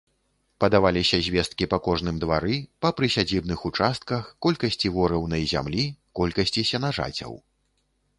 Падаваліся звесткі па кожным двары, па прысядзібных участках, колькасці ворыўнай зямлі, колькасці сенажацяў.